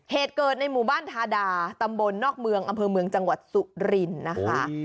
เหตุเกิดในหมู่บ้านทาดาตำบลนอกเมืองอำเภอเมืองจังหวัดสุรินทร์นะคะ